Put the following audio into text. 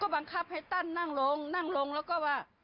บังคับให้ตั้นนั่งลงนั่งลงแล้วก็ว่า